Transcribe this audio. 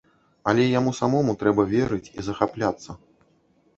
Але яму самому трэба верыць і захапляцца.